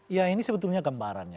ya ini sebetulnya gambarannya